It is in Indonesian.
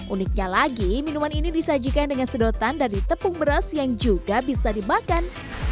uniknya lagi minuman ini disajikan dengan sedotan dari tepung beras yang juga bisa dimakan